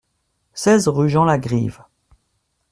seize rue Jean Lagrive